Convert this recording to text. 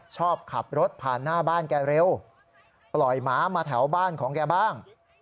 ชอบขับรถผ่านหน้าบ้านแกเร็วปล่อยหมามาแถวบ้านของแกบ้าง